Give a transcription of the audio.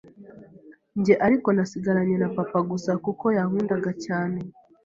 Njye ariko nasigaranye na papa gusa kuko yankundaga cyane.